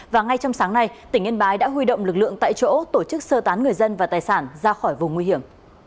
và ngay trong sáng nay tỉnh yên bái đã huy động lực lượng tại chỗ tổ chức sơ tán người dân và tài sản ra khỏi vùng nguy hiểm